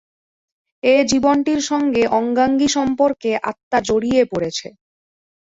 এ-জীবনটির সঙ্গে অঙ্গাঙ্গী সম্পর্কে আত্মা জড়িয়ে পড়েছে।